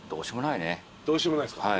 どうしようもないっすか？